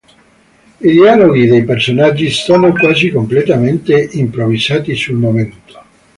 I dialoghi dei personaggi sono quasi completamente improvvisati sul momento.